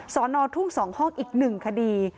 ชะนอทุ่งสองห้องอีก๑คดี